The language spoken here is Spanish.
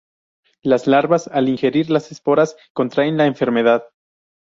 Las larvas al ingerir las esporas contraen la enfermedad.